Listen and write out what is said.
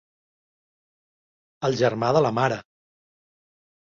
El germà de la mare.